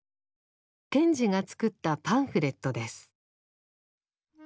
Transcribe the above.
賢治が作ったパンフレットです。